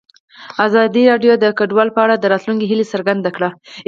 ازادي راډیو د کډوال په اړه د راتلونکي هیلې څرګندې کړې.